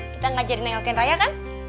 kita ngajarin yang ngelukin raya kan